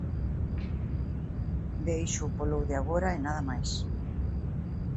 Déixoo polo de agora e nada máis.